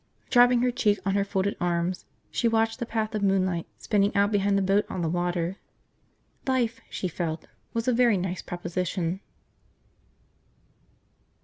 Dropping her cheek on her folded arms, she watched the path of moonlight spinning out behind the boat on the water. Life, she felt, was a very nice proposition.